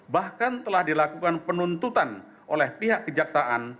bahkan telah dilakukan penuntutan oleh pihak kejaksaan